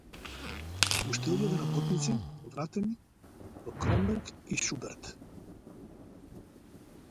Уште илјада работници вратени во „Кромберг и Шуберт“